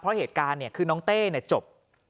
เพราะเหตุการณ์เนี่ยคือน้องเต้เนี่ยจบ